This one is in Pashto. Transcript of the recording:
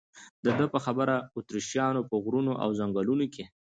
د ده په خبره اتریشیانو په غرونو او ځنګلونو کې.